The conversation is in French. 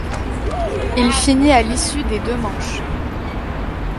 Il finit à l'issue des deux manches.